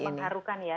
sangat mengharukan ya